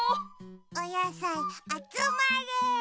おやさいあつまれ。